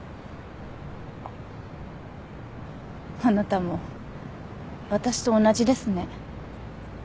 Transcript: あなたも私と同じですね。